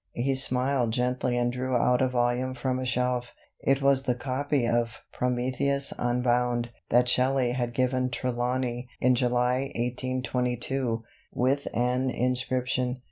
He smiled gently and drew out a volume from a shelf. It was the copy of "Prometheus Unbound" that Shelley had given Trelawny in July, 1822, with an inscription.